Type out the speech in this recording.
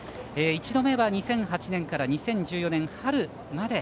１度目は２００８年から２０１４年の春まで。